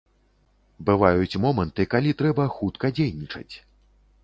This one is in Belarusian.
Бываюць моманты, калі трэба хутка дзейнічаць.